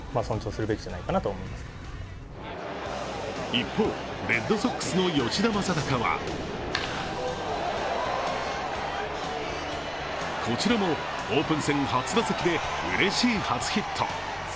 一方、レッドソックスの吉田正尚はこちらもオープン戦初打席でうれしい初ヒット。